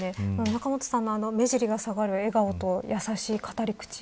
仲本さんの目尻が下がる笑顔とやさしい語り口